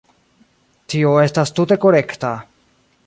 Tio estas tute korekta.